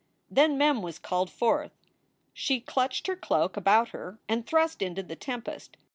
Then Mem was called forth. She clutched her cloak about her and thrust into the tempest.